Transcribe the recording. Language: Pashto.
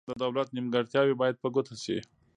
د دولت نیمګړتیاوې باید په ګوته شي.